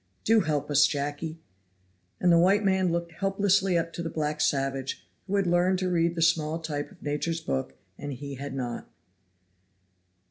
Do help us, Jacky." And the white man looked helplessly up to the black savage, who had learned to read the small type of Nature's book and he had not.